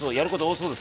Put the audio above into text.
そうです。